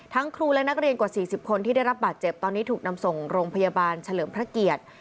ครูและนักเรียนกว่า๔๐คนที่ได้รับบาดเจ็บตอนนี้ถูกนำส่งโรงพยาบาลเฉลิมพระเกียรติ